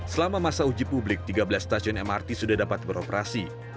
selama masa uji publik tiga belas stasiun mrt sudah dapat beroperasi